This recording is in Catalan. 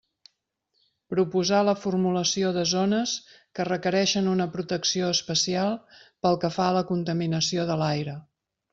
Proposar la formulació de zones que requereixen una protecció especial pel que fa a la contaminació de l'aire.